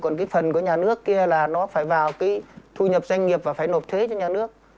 còn cái phần của nhà nước kia là nó phải vào cái thu nhập doanh nghiệp và phải nộp thuế cho nhà nước